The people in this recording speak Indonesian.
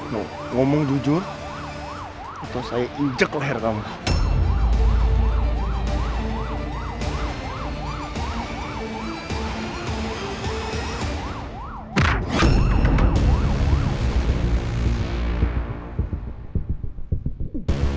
mau ngomong jujur atau saya injek leher kamu